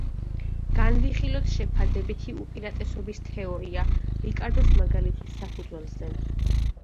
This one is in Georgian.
განვიხილოთ შეფარდებითი უპირატესობის თეორია რიკარდოს მაგალითის საფუძველზე.